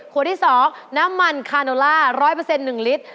ที่๒น้ำมันคาโนล่า๑๐๐๑ลิตร